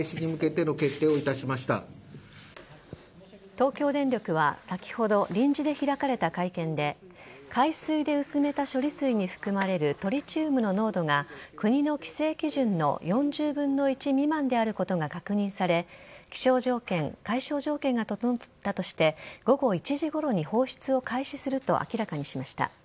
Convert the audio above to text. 東京電力は先ほど、臨時で開かれた会見で海水で薄めた処理水に含まれるトリチウムの濃度が国の規制基準の４０分の１未満であることが確認され気象条件、海象条件が整ったとして午後１時ごろに放出を開始すると明らかにしました。